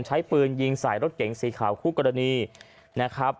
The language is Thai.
ใช้ปืนยิงใส่รถเก๋งสีขาวคู่กรณีนะครับ